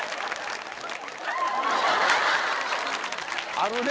あるね！